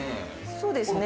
そうですね